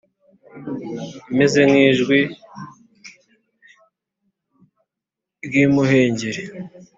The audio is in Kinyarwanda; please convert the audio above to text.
imeze nk’ijwi ry’imuhengeri.